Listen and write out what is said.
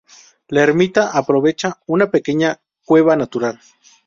La ermita aprovecha una pequeña cueva natural.